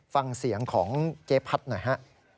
ฟังเสียงของเจ๊พัดหน่อยฮะ